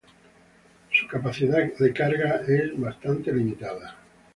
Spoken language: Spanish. Su capacidad de carga es bastante limitada.